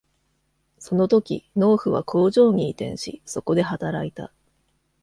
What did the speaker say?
その時、農夫は工場に移転しそこで働いた。